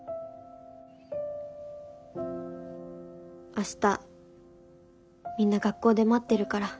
明日みんな学校で待ってるから。